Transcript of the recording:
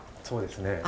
そうですね。